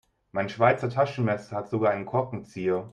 Mein Schweizer Taschenmesser hat sogar einen Korkenzieher.